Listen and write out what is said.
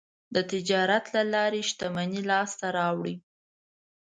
د تجارت له لارې شتمني لاسته راوړي.